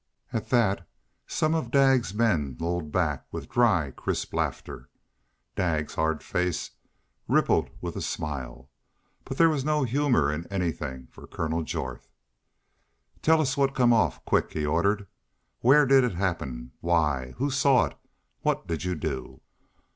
At that some of Daggs's men lolled back with dry crisp laughter. Daggs's hard face rippled with a smile. But there was no humor in anything for Colonel Jorth. "Tell us what come off. Quick!" he ordered. "Where did it happen? Why? Who saw it? What did you do?"